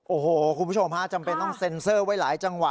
โอ้โหคุณผู้ชมฮะจำเป็นต้องเซ็นเซอร์ไว้หลายจังหวะ